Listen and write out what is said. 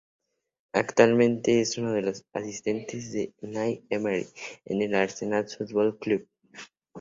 Actualmente es uno de los asistentes de Unai Emery en el Arsenal Football Club.